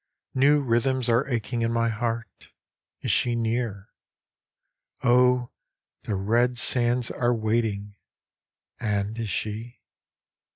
New rhythms are aching in my heart is she near ? O the red sands are waiting, and is she